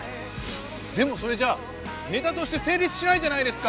でもそれじゃあネタとして成立しないじゃないですか！